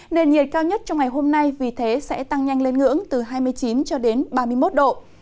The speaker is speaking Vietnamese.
nền nhiệt cao nhất trong ngày hôm nay vì thế sẽ tăng nhanh lên ngưỡng từ hai mươi chín cho đến ba mươi một độ